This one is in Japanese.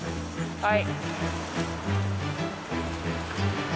はい。